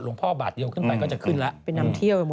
โรงพ่อบาทเดียวขึ้นไปก็จะขึ้นล่ะ